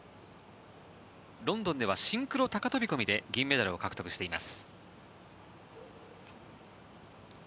ロンドンではシンクロ高飛込で銀メダルを獲得しています。